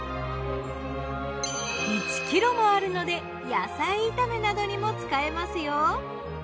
１ｋｇもあるので野菜炒めなどにも使えますよ。